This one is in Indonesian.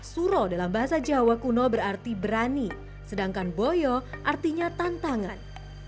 suro dalam bahasa jawa kuno berarti berani sedangkan boyo artinya tantangan